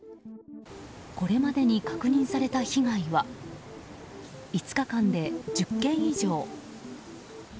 これまでに確認された被害は５日間で１０件以上。